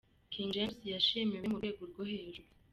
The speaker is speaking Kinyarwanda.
King James yishimiwe mu rwego rwo hejuru.